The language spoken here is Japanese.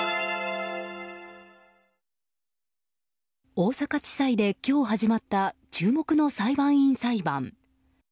大阪地裁で今日始まった注目の裁判員裁判。